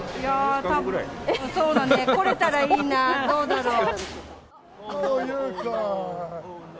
そうだね、来れたらいいなー、どうだろう。